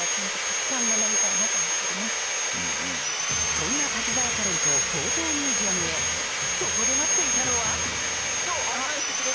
そんな滝沢カレンと「ＴＯＴＯミュージアム」へそこで待っていたのは？